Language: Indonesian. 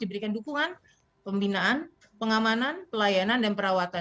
diberikan dukungan pembinaan pengamanan pelayanan dan perawatan